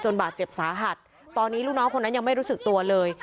บาดเจ็บสาหัสตอนนี้ลูกน้องคนนั้นยังไม่รู้สึกตัวเลย